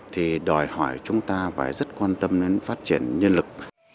thì đòi hỏi chúng ta phải rất quan tâm đến phát triển nhân lực